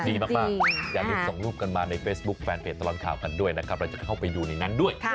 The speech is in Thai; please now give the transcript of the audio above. ดีมากอย่าลืมส่งรูปกันมาในเฟซบุ๊คแฟนเพจตลอดข่าวกันด้วยนะครับเราจะเข้าไปดูในนั้นด้วย